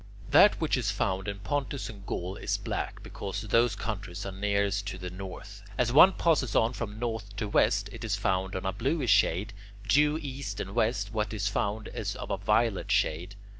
That which is found in Pontus and Gaul is black, because those countries are nearest to the north. As one passes on from north to west, it is found of a bluish shade. Due east and west, what is found is of a violet shade.